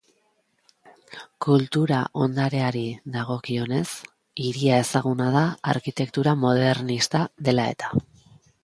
Kultura ondareari dagokionez, hiria ezaguna da arkitektura modernista dela-eta.